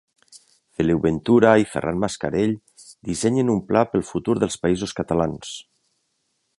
Feliu Ventura i Ferran Mascarell dissenyen un pla pel futur dels Països catalans